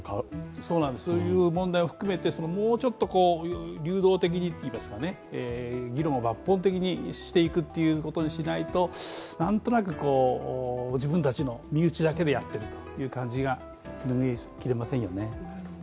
そういう問題を含めて、もうちょっと流動的にといいますか、議論を抜本的にしていくことにしないとなんとなく、自分たちの身内だけでやっているという感が、煮えきれないですよね。